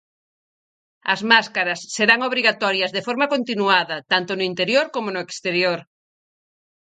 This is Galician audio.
As máscaras serán obrigatorias de forma continuada, tanto no interior como no exterior.